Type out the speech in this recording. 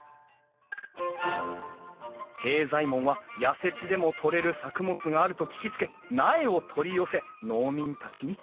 平左衛門は痩せ地でも採れる作物があると聞きつけ苗を取り寄せ農民たちにつくらせた。